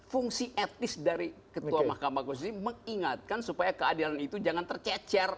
fungsi etnis dari ketua mahkamah konstitusi mengingatkan supaya keadilan itu jangan tercecer